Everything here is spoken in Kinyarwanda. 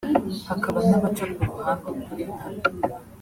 hakaba n’abaca kuruhande ukuri nkana